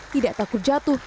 tidak takut jatuh